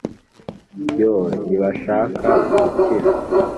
"yoo! ntibashaka gukira,